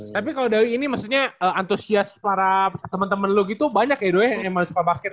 tapi kalau dari ini maksudnya antusias para temen temen lu gitu banyak ya doa yang emang suka basket ya